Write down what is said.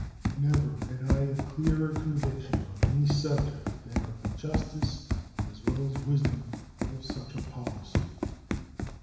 Never have I had a clearer conviction on any subject than of the justice as well as wisdom of such a policy.